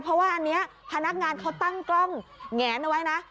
เพราะว่าอันนี้พนักงานเขาตั้งกล้องแงนเอาไว้นะ